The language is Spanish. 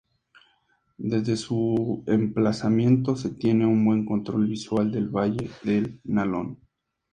Desde su emplazamiento se tiene un buen control visual del Valle del Nalón.